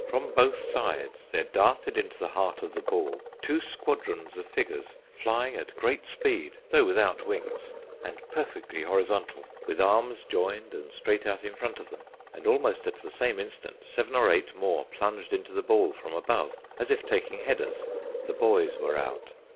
From both sides there darted into the heart of the ball two squadrons of figures flying at great speed (though without wings) and perfectly horizontal, with arms joined and straight out in front of them, and almost at the same instant seven or eight more plunged into the ball from above, as if taking headers. The boys were out.